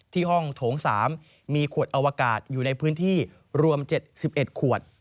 ห้องโถง๓มีขวดอวกาศอยู่ในพื้นที่รวม๗๑ขวด